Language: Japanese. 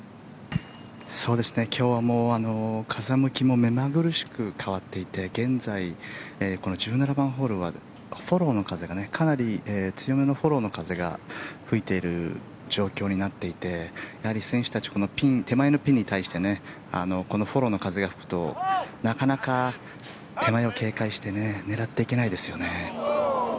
今日は風向きも目まぐるしく変わっていて現在、１７番ホールはフォローの風がかなり強めのフォローの風が吹いている状況になっていてやはり選手たちは手前のピンに対してこのフォローの風が吹くとなかなか手前を警戒して狙っていけないですよね。